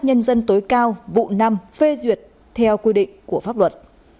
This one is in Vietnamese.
nhân dân tối cao vụ năm phê duyệt theo quy định của pháp luật